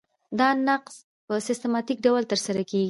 دا نقض په سیستماتیک ډول ترسره کیږي.